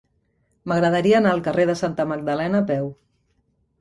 M'agradaria anar al carrer de Santa Magdalena a peu.